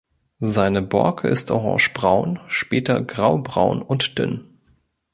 Seine Borke ist orangebraun, später graubraun und dünn.